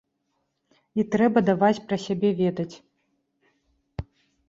І трэба даваць пра сябе ведаць.